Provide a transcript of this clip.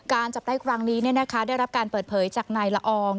จับได้ครั้งนี้ได้รับการเปิดเผยจากนายละออง